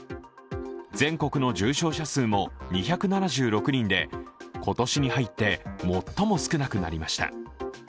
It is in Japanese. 全国の重症者数も２７６人で、今年に入って最も少なくなりました。